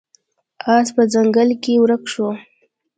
اس په ځنګل کې ورک شو.